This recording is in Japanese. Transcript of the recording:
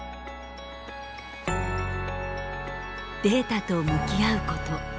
データと向き合うこと。